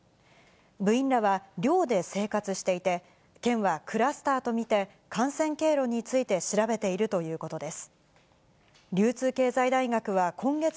部員らは、寮で生活していて、県はクラスターと見て、感染経路について調べているということです。